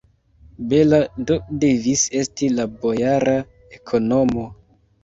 Bela do devis esti la bojara ekonomo!